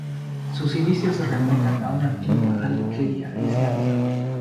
Sus inicios se remontan a una antigua alquería islámica.